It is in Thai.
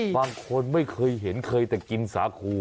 บางคนไม่เคยเห็นเคยแต่กินสาคู